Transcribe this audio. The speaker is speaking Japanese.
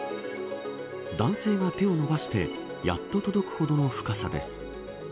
男性が手を伸ばしてやっと届くほどの深さです。